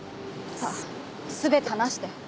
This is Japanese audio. さあすべて話して。